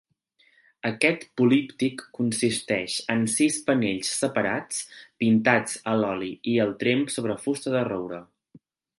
Aquest políptic consisteix en sis panells separats pintats a l'oli i al tremp sobre fusta de roure.